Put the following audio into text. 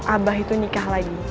abah itu nikah lagi